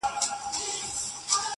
په نخرو په مکیزو سو مخ او شاته؛